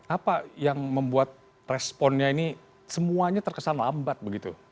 apa yang membuat responnya ini semuanya terkesan lambat begitu